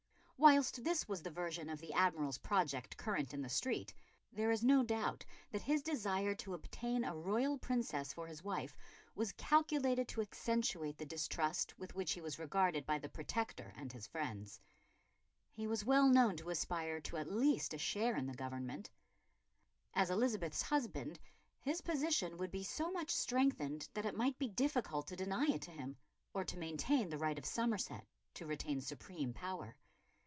Whilst this was the version of the Admiral's project current in the street, there is no doubt that his desire to obtain a royal princess for his wife was calculated to accentuate the distrust with which he was regarded by the Protector and his friends. He was well known to aspire to at least a share in the government. As Elizabeth's husband his position would be so much strengthened that it might be difficult to deny it to him, or to maintain the right of Somerset to retain supreme power.